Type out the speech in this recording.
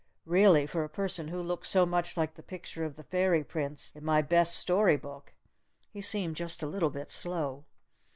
Really for a person who looked so much like the picture of the Fairy Prince in my best story book, he seemed just a little bit slow.